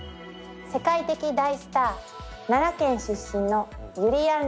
世界的大スター奈良県出身のゆりやん